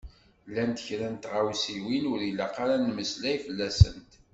Llant kra n tɣawsiwin ur ilaq ara ad nemmeslay fell-asent.